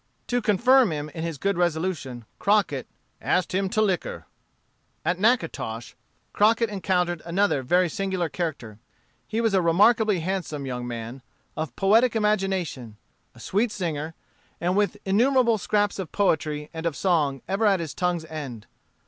'" To confirm him in his good resolution, Crockett "asked him to liquor." At Natchitoches, Crockett encountered another very singular character. He was a remarkably handsome young man, of poetic imagination, a sweet singer, and with innumerable scraps of poetry and of song ever at his tongue's end.